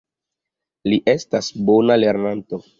Li estas bona lernanto.